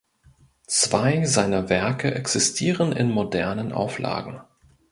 Zwei seiner Werke existieren in modernen Auflagen.